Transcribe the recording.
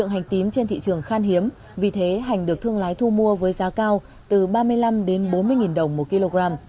hành tím trên thị trường khan hiếm vì thế hành được thương lái thu mua với giá cao từ ba mươi năm đến bốn mươi đồng một kg